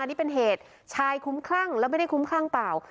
นี่เป็นเหตุชายคุ้มคลั่งแล้วไม่ได้คุ้มคลั่งเปล่า